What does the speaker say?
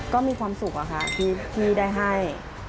ก็มีความสุขอะค่ะที่ได้ให้